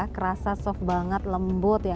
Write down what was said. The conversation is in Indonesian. kerasa soft banget lembut ya